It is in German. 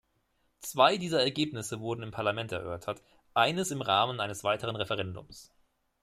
Zwei dieser Ergebnisse wurden im Parlament erörtert, eines im Rahmen eines weiteren Referendums.